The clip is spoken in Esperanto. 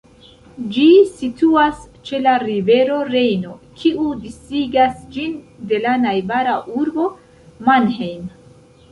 Ĝi situas ĉe la rivero Rejno, kiu disigas ĝin de la najbara urbo Mannheim.